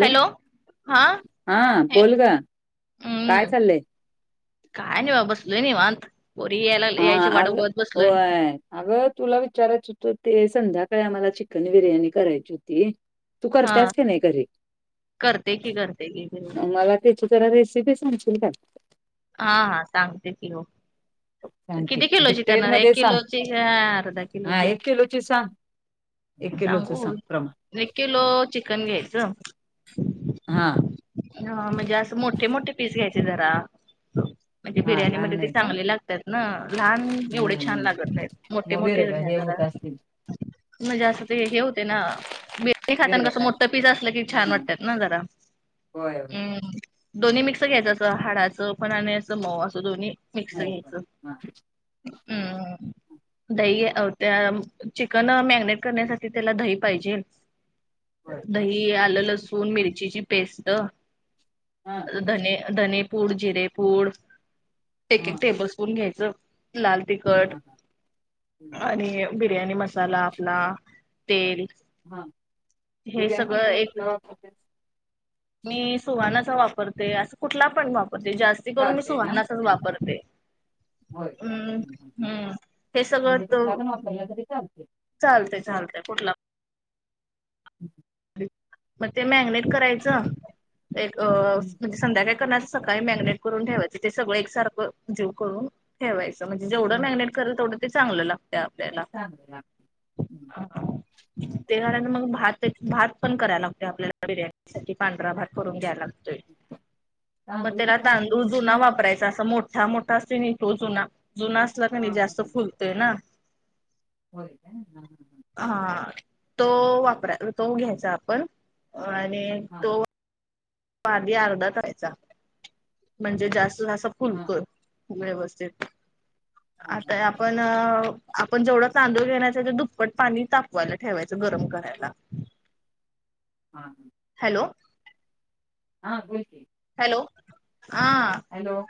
Hello हा हा बोल ग काय हम्म चाललंय काय नाही बा बसलोय नि मत बोरी यायला यायची हा अग वाडावत बसलोय. होय अगं तुला विचारायचं होतं ते संध्याकाळी आम्हाला चिकन बिर्याणी करायची होती. तू हा करतास की नाही घरी करते की करते की मला त्याची जरा रेसिपी सांगशील का? हा हा सांगते त हो. सांग की किती किलोची डिटेल करणार एक मध्ये सांग किलोची ह अर्धा हा किलोची एक सांग एक किलोच सांगू सांग प्रमाण एक किलो चिकन घ्यायचं. हा. हा म्हणजे असं मोठे मोठे पीस घ्यायचे जरा म्हणजे हा लहान बिर्याणीमध्ये ते नाही काय चांगले लागतात. ह लहान एवढे छान हम्म लागत नाहीत मोठे मग विरगळ मोठे्या हे होत घरात असतील म्हणजे असं ते हे होते ना मी खातना कसं मोठं विरगळायसारखं पिझ्ा असलं की हा छान हा, वाटतात ना जरा होय हो हो. हम्म दोन्ही मिक्स घ्यायचं अस हाडाचं पण आणि अस मऊ असं दोन्ही मिक्स घ्यायचं. ह. हम्म [inaudible] दही त्या चिकन मॅरिनेट करण्यासाठी त्याला दही पाहिजे. होय दही आलं लसून मिरचीची पेस्ट हा धने. धने पूड जिरेपूड एक हा एक टेबल स्पून घ्यायचं. लाल हा तिखट हा हम्म. आणि बिर्याणी मसाला आपला तेल हा ज हे काे आहे सगळं ना एक कुठ? मी सुहाणाचा वापरते असं कुठला पण वापरते जास्ती करून मी चालते ना सुहाणाचाच हं, वापरते. होय काय हम्म हं, हं, हं. हम्म हे म्हणजे सगळत कुठला पण वापरला तरी चालते चालतय चालतय कुठला? मग ते मॅगनेट करायचं एक हं, संध्याकाळी करणास सकाळी मॅगिनेट करून ठेवायचे ते सगळं एक सारख जीव करून ठेवायचं म्हणजे जेवढ मॅगनेट करल तेढं ते चांगलं लागते आपल्याला ांगला हा. ते झाल्या मग भात भात पण करायला लागते आपल्याला बिर्याणी साठी पांढरा भात करून घ्यायला लागत. मग तांदूळ त्याला कुठला त वापरायचा उजू न मग वापरायचा असं मोठ ा मोठा असते नाही तो जुना जुना असला क हा नाही हा जास्त फुलतोय ना. हो का हां हां हां. हा तो वापरा तो घ्यायचा आपण आणि हा ह. तो आधी अर्धा त व्हायचा. म्हणजे जास्त जास्त हा हा फुलक व्यवस्थित हा हा आता पण आपण जेवढा तांदूळ घेण्याच ते दुपकट पाणी तापवायला ठेवायचं गरम करायला हां हां. हॅलो. हा बिलकीील हॅलो हा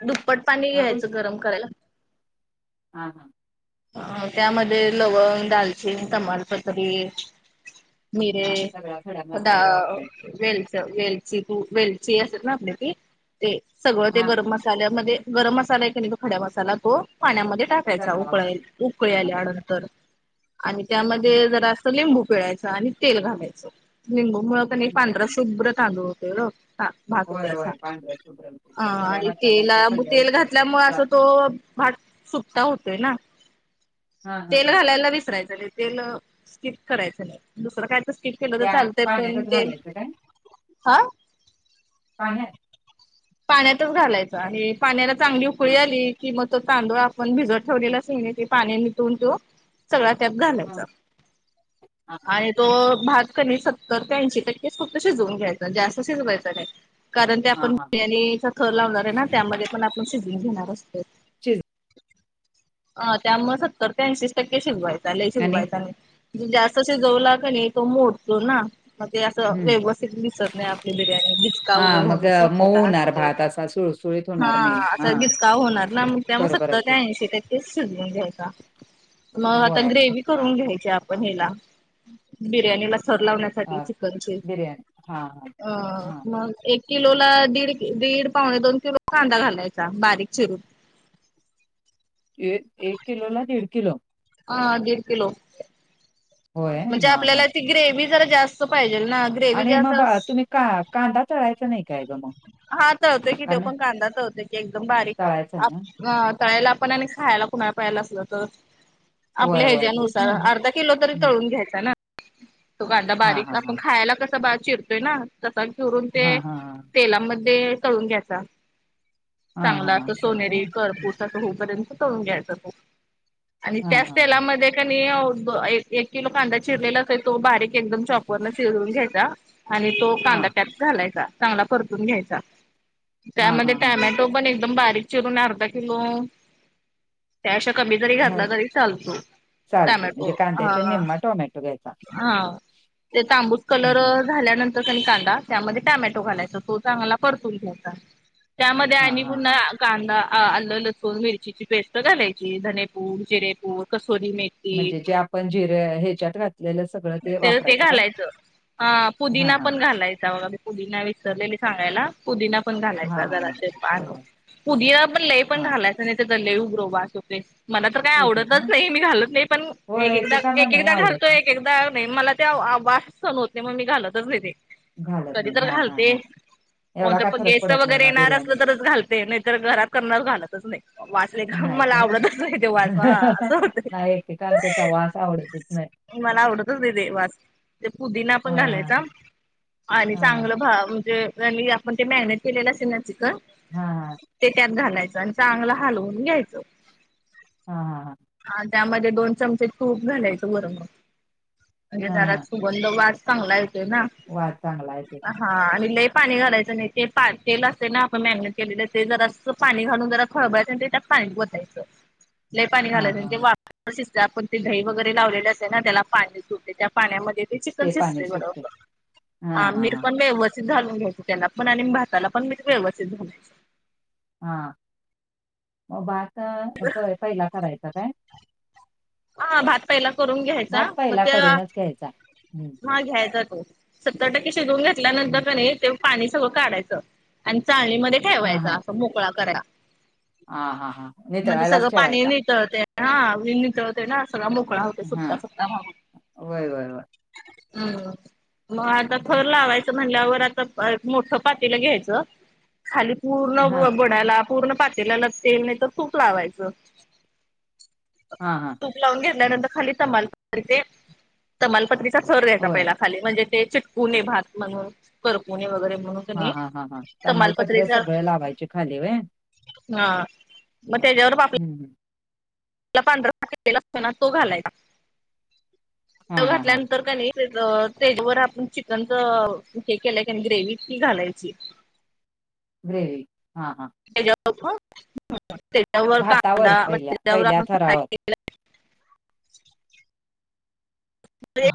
दुप्पट पाणी हा घ्यायचं गरम करायला हां हां. अ त्यामध्ये लवंग दालचीन तमालपतरी हा सगळा खडा मीरेदा मसाला वापरायचा वेल् वेलची तू वेलची असे ना आपली ती ते सगळं ते हा हा गरम ते मसाल्यामध्ये गरम मसाला आहे की नाही तो खडा मसाला तो पाण्यामध्ये टाकायचा. सगळा उक उकळी वापरायचा हा आल्यानंतर आणि हं, त्यामध्ये हं, जर लिंबू पिळायच आणि तेल घालायचं लिंबू मुळ हं, प पांढरा हं. शुभ्र तांदूळ होते ब हां होय भाताचा होय पांढऱ्या शुभ्र होते हां त्या खड्या आणि मसाल्याचा तेला कल्ला तेल उतरतो ते घातल्यामुळे असं तो जातो भात सुट्टा होतोय ना. हा हा तेल हा घालायला विसरायचं नाही, तेल स्किप करायचं नाही दुसरं कायतर स्किप केलं तर त्या चालतय पण पाण्यातच तेल घालायचं काय हां पाळणा आहे. पाण्यातच घालायचं आहे. पाण्याला चांगली हा उकळी आली कि मग तो तांदूळ आपण भिजत ठेवलेला असतोय कने ते पाणी नितळुन तो सगळा त्यात हा घालायचा हा आणि तो भात कनी सत्तर ते ऐंशी टक्के फक्त शिजवून घ्यायचा जास्त शिजवायचं नाही. कारण ते हा आपण हा हा बिर्याणीचा थर लावणार आहे ना त्यामध्ये पण आपण शिजून घेणार असतोय. [unintelligible] हां त्यामुळ सत्तर ते ऐंशीच टक्के शिजवायच लई आणि शिकवायचां नाही. जास्त शिजवला कनी तो मोडतो ना. मग ते असं हम्म व्यवस्थित मिसळत नाही आपली बिर्याणी बचका हा वगैरे मग होण्याची अ, मऊ शक्यता होणार असते. भात असा सुळसुळीत होणार हां नाही अस हा घिचकाव होणार ना मग त्या मग बरोबर आहे सत्तर की त्या ऐंशी टक्के तेच शिजवुन घ्यायचा मग आता होय ग्रेव्ही हा करून घ्यायची. त्या हेला बिर्याणीला थर लावण्या साठी चिकनचे बिर्याणी हा हा हा मग एक किलोला, दीड दीड, पावणे दोन किलो कांदा घालायचा बारीक चिरून एक किलो ला, दीड किलो हां दीड किलो होय म्हणजे हा हा आपल्याला ती ग्रेव्ही जरा जास्त पाहिजे ना. ग्रेव्ही आणि जास्त मग तुम्ही, का -कांदा तळायचा नाही. काय ग मग हा तळतोय की, का त्यो नाही पण कांदा तळतोय ते एकदम बारीक तळायचा ना अ तळायला पण, आणि खायला कुणाला पहिजेल असल तर. होय आपल्या होय ह्याच्या तेच नुसार म्हणलं अर्धा किलो तरी, तळून घ्यायचा ना. तो कांदा हा बारीक हा आपण हा खायला कसा बारीक चिरतोय ना तसा चिरून ते हा हा हा तेलामध्ये तळून घ्यायचा हा चांगला, हा असं आहे सोनेरी काय करपूस असं ते होई पर्यंत तळून घ्यायचा तो आणि हा त्याच हा हा तेलामध्ये कनय उब एक किलो कांदा चिरलेला असेल तो, बारीक एकदम चॉपर न चिरून घ्यायचा. आणि तो हा कांदा त्यात घालायचा, चांगला परतून घ्यायचा. हा हा त्यामध्ये हा हा टोमॅटो पण एकदम बारीक चिरून अर्धा किलो त्या अशा कमी जरी हा घातला तरी चालतो, चालतय म्हणजे टोमॅटो कांद्याच्या हा. निम्मा टोमॅटो घ्यायचा. हा ते तांबूस कलर झाल्यानंतर कनय कांदा त्यामध्ये टोमॅटो घालायचा, तो चांगला परतून घ्यायचा. त्यामध्ये हा आणि हा हा पुन्हा कांदा अ आलं, लसूण, मिरचीची पेस्ट घालायची धनेपूड, जिरेपूड, कसुरी मेथी. म्हणजे जे आपण जीर ह्याच्यात घातलेलं सगळं ते ते वापरायचं काय? घालायचं ह हा पुदिना हा पण, हा घालायचा बघा पुदीना विसरलेली सांगायला. पुदीना पण हा घालायचा, हा हा जराशी पान बघा पुदीना पण लय पण हा घालायच नाही तेजा लय उग्र वास येतोय. मला तर काय आवडतच नाही मी घालत नाही, पण एक होय एकदा, एकेकांना नाही एकएकदा आवडत घालतोय एक एकदा तर नाही मला ते वा- वास सहण होत नाही, म्हणून मी घालतच नाही ते. घालत कधी नाही तर हा हा घालते हा एवढा कोणतं काय पण, फरक गेस्ट पडत नाही वगैरे मग येणार बिर्याणीत असलं तरच घालते. दे नाही तर, घरात करणार घालतच नाही. वास लय घाण नाही मला काय? आवडतच नाही, ते वास हा असं होतय. नाही एकेकांना त्याचा वास आवडतच नाही. मला आवडतच ते वास ते पुदीना हा पण हा घालायचा आणि हा चांगलं ह म्हणजे आपण ते मॅगनेट केलेलं असेल ना, चिकन हा हा. ते त्यात घालायचं आणि चांगलं हलवून घ्यायचं हा हां हां हा त्यामध्ये दोन चमचे तूप घालायचं बर मग म्हणजे हा हा जरात सुगंध वास चांगला येते ना वास चांगला येतोय हा आणि लई पाणी घालायचं नाही ते पा तेल असे ना आपण मॅगने केलेलं ते जरा पाणी घालून जरा खळबायचं त्यात पाणी वतायचं लयी पाणी हा घालायच म्हणजे हा वा शित आपण ते दही वगैरे लावलेले असते ना त्याला पाणी सुटते त्या पाण्यामध्ये ते चिकन पाणी शिजते सुटतय हा हा बरोरर हा पण वव घालून घ्यायच त्याना पण आणि भाताला पण मी व्यवसथ्तित झालायचं हा मग भात पहिला करायचं काय हा भात पहिला करून घ्यायचा भात मग पहिला त्या करूनच घ्यायचा हम्म हा घ्यायचा तो सत्तर टक्के शिजून हम्म घेतल्यानंतर का नाही ते पाणी सगळं काढायचं आणि चाळणीमध्ये हा ठेवायचा हा अस मोकळा कराय हा हा हा ते तळायलाच ठेवायचा. ते हित होते ना सगळा मोकळा होते हा सुटता सुटता मागून वय वय वय हम् मग आता थर हम्म. लावायचं म्हणल्यावर आता मोठ पातीला घ्यायच, खाली हा पूर्ण बडाला पूर्ण पातेल्याला तेल नाही तर तूप लावायचं हां हां तूप लावून घेतल्यानंतर खाली तमालपत्री तमालपत्रीचा थर घ्यायचा होय पहिला खाली म्हणजे ते चिटकुणे भात म्हणून करकुणे वगैरे म्हणून हा कणी हा हा हां तमालपत्र तमालपत्रीचा सगळं लावायचे खाली होय हा मग त्याच्यावर आपल्या हं ह पांढरालेला असतो ना तो घालायच तो हा हा हा घातल्यानंतर कनी तेजवर आपण चिकनच हे केलंय ग्रेवी घालायची ग्रेवी हा हा त्याच्यावर मग त्याच्यावर भातावर कांदा पहिल्या त्याच्यावर आप पहिल्या थरावर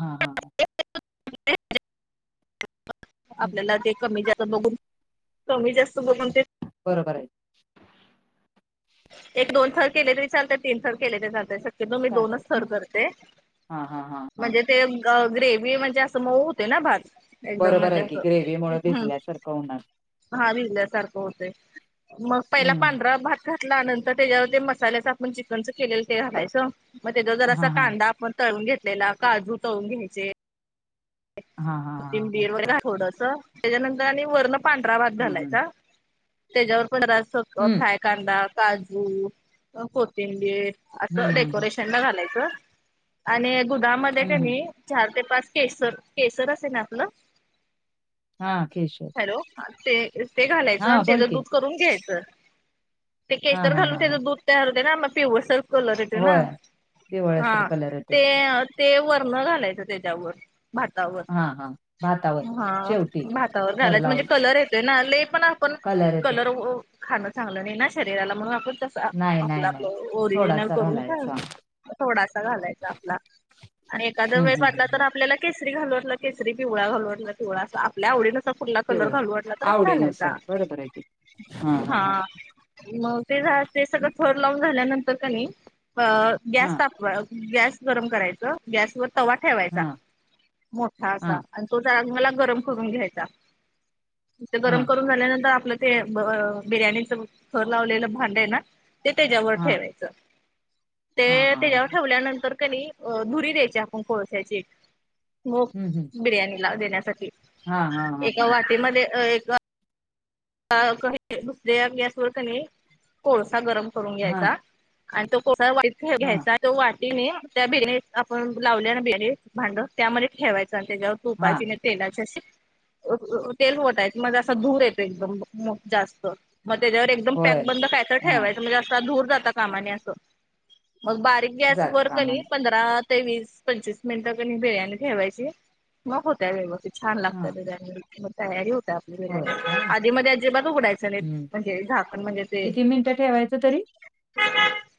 हा हा हम्म. आपल्याला ते कमी जास्त बघून कमी जास्त बघून ते बरोबर आहे एक दोन थर केले तरी चालतात तीन थर केले तरी चालतात ते मी चालतात दोनच थर काय करते हा हा हा हा म्हणजे ते ग्रेवी म्हणजे असं मऊ होते ना भात एकदम बरोबर म्हणजे आहे की असं ग्रेवही मुळे हम्म भिजल्यासारखं होणार हा भिजल्यासारखं होतय मग पहिला हम्म पांढरा भ घातल्यानंतर त्याच्यावर ते मसाल्याच आपण चिकनच केलेलं ते घालायचं मग त्याचा जर असा हा हा कांदा आपण तळून घेतलेला काजू तळून घ्यायचे हा हा हा हा कोथिंबीर वगैर वड अस त्याच्यानंतर आणि वरण पांढरा भात हम्म हम्म घालायचा त्याच्यावर परत अस हम्म. फ्राय कांदा काजू कोथिंबीर अस हं, हं, हं. डेकोरेशन थंड घालायच आणि दुधामध्ये हं, हं. कानी चार ते पाच केसर केसर असत ना आपलं हा केशर हॅलो ते ते घालायचं आणि हां, बोल त्याच की. दूध करून घ्यायचं ते हां, केसर हां, घालून हां, त्याच हां. दूध तयार होते ना मग ते पिवळसर कलर येतय ना होय, हा पिवळसर कलर येतोय. ते ते वर्ण घालायचं त्याच्यावर भातावर हां, हां. भातावर हा शेवटी भातावर थर घालायचं म्हणजे लावून कलर आहे ना ले पण आपण कलर खाणं चांगलं नाही ना शरीराला म्हणून आपण नाही, आपला नाही, नाही. आपलं ओरिजिनल थोडासा करून घ घालायचा. थोडासा घालायचा आपला आणि एादा हं, वेळेस हं, हं, वाटला तर हं. आपल्याला केसरी घालवटलं केसरी पिवळा घालवटला पिवळा अस आपल्या आवडीील फुला कलर पिवळा घालू वाटला तरच लायचा आवडीनुसार बरोबर आहे की. हां, हां, हा हां. मग ते झा ते सगळं थोड लावून झाल्यानंतर कणी गॅस तपवा गॅस गरम करायचं गॅस वर तवा ठेवायचा हां, मोठा असा हां, आणि तोला गरम करून घ्यायचा गरम हां, कर. झाल्यानंतर आपलं ते बिर्याणीच खर लावलेलं भांड आहे ना. ते त्याच्यावर हां, ठेवायचं हां, ते हां, हां. त्याच्यावर ठेवल्यानंतर क नाही. अ धुरी द्यायची आपण कोळश्याची. मग हं, हं. बिर्याणीला देण्यासाठी हां, हां, हां, एका हां. वाटीमध्ये. क दुसऱ्या गॅस वर क कोळसा गरम करून हां, घ्यायचा. आणि तो को वाईट हां, घ्यायचा. तो वाटीने त्या बिणी आपण लावल्या ना बिणे भांड त्यामध्ये ठेवायचं आणि त्याच्यावर. हां. तुपाची म्हज तेलाची अशी तेल फटाय मणज असं धूर य. जास्त मग त्याच्या एक पॅक होय. बंदय हां, ठेवायच म्हणेात. जातं बक. कामाला. तेस पंचस मिनिट बिर्याणी ठेवायची मग होत. छान लागतं डिझान मग तयारी होत आप. हो. आधी मध्ये अजिबात उघडायचं नाही म्हणजे झा पण म्हणजे ते. किती मिनिटं ठेवायचं तरी?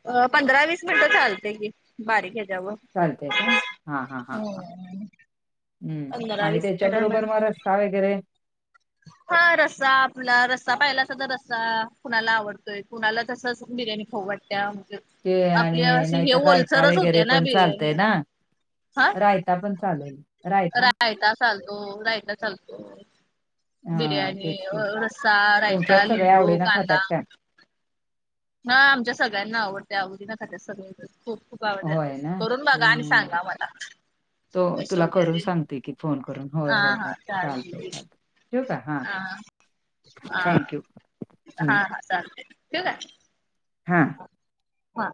अ पंधरा वीस मिनिटं चालते की बारीक. ह्याच्यावर. चालते का हा हा ह ह हम्म. हम्म पंधरा आणि वीस त्याच्याबरोबर मिनिटांमध्ये मार. का वगैरे. हा रस्सा आपला रस्सा पाहिला अस तर रस्सा कुणाला आवडतोय कुणाला तसच बिर्याणी खो वाटते. त्या म्हज ते आपले आणि असे हे नाहीतर रायता होलसरच वगैरे होते ना. पण चालतंय ना? हा रायता पण चालेल. रायता? रायट चालतो रायट चालतो. हां, बिर्याणी तेच की. रस्सा खायला तुमच्यात सगळ्या लिंबू आवडीनं खात्यात कांदा. काय? हा आमच्या सगळ्यांना आवडत आवदीना खात्या सगळ खूप खू. होय ना? करून बघा आणि हं. सांगा मला. तो कशी तुला होत्या करून ते सांगते की फोन करून हा होय होय होय हा चालते चालतय की चालत. युग ह. हा. हा हं, हा हा चालते ठीक आहे. हा. हा.